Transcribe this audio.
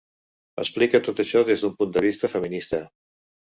Explica tot això des d'un punt de vista feminista.